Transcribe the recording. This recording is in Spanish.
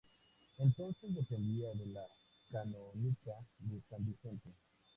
Entonces dependía de la canónica de San Vicente.